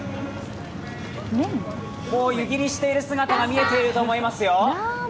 湯切りしている姿が見えていると思いますよ。